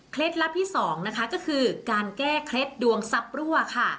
ลับที่สองนะคะก็คือการแก้เคล็ดดวงทรัพย์รั่วค่ะ